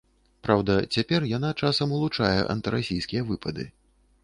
Праўда, цяпер яна часам улучае антырасійскія выпады.